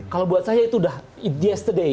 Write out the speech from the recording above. kalau buat saya itu udah yesterday